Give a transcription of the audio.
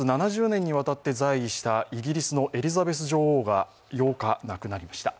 ７０年にわたって在位したイギリスのエリザベス女王が８日、亡くなりました。